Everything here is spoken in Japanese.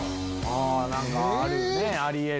何かあるねあり得る。